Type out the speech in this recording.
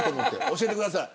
教えてください。